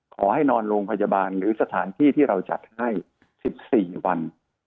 ขอให้นอนโรงพยาบาลหรือสถานที่ที่เราจัดให้๑๔วัน